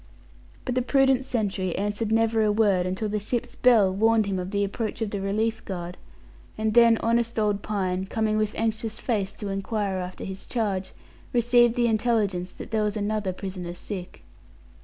But the prudent sentry answered never a word, until the ship's bell warned him of the approach of the relief guard; and then honest old Pine, coming with anxious face to inquire after his charge, received the intelligence that there was another prisoner sick.